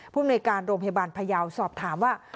ภูมิในการโรงพยาบาลพยาวสอบถามว่า